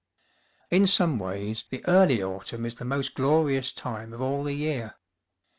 In some ways the early autumn is the most glorious time of all the year.